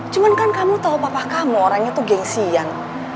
cuman kan kamu tau papa kamu orangnya tuh gengsian